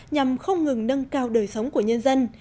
nhằm không ngừng nâng cao đời sống của nhân dân